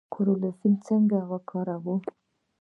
کلوروفیل څنګه کار کوي؟